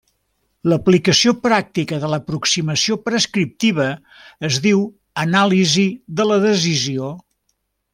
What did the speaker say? L'aplicació pràctica de l'aproximació prescriptiva es diu anàlisi de la decisió.